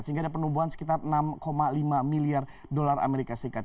sehingga ada penubuhan sekitar enam lima miliar dolar amerika serikat